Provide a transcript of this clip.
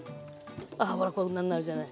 あほらこんなになるじゃない。